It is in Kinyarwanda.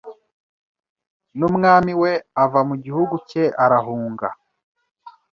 numwami we ava mu gihugu cye arahunga